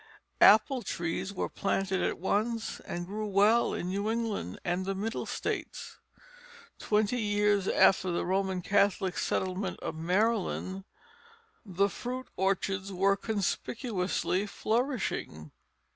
Apple trees were planted at once, and grew well in New England and the Middle states. Twenty years after the Roman Catholic settlement of Maryland the fruitful orchards were conspicuously flourishing.